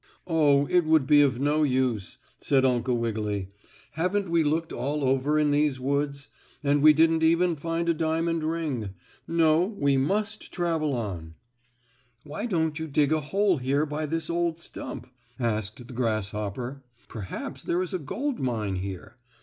"Oh, it would be of no use," said Uncle Wiggily. "Haven't we looked all over in these woods? And we didn't even find a diamond ring. No, we must travel on." "Why don't you dig a hole here by this old stump?" asked the grasshopper. "Perhaps there is a gold mine here.